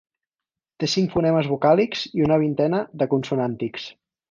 Té cinc fonemes vocàlics i una vintena de consonàntics.